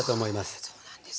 はそうなんですね。